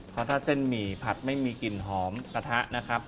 เพราะถ้าเส้นหมี่ผัดไม่มีกลิ่นหอมกระทะนะครับ